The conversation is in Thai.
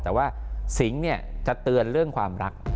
แต่ว่าสิงฯจะเตือนเรื่องความรัก